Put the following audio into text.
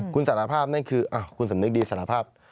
คุณสารภาพนั่นคือคุณสำนึกดีสารภาพ